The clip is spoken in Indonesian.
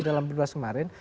dalam perjuangan kemarin